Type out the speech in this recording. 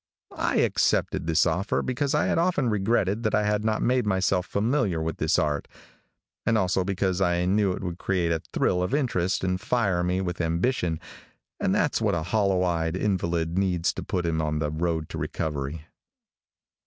I accepted this offer because I had often regretted that I had not made myself familiar with this art, and also because I knew it would create a thrill of interest and fire me with ambition, and that's what a hollow eyed invalid needs to put him on the road to recovery.